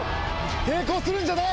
抵抗するんじゃない！